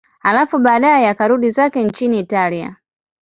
Halafu baadaye akarudi zake nchini Italia.